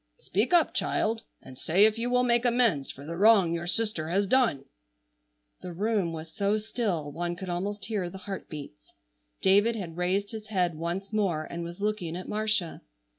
Speak up, child, and say if you will make amends for the wrong your sister has done!" The room was so still one could almost hear the heartbeats. David had raised his head once more and was looking at Marcia.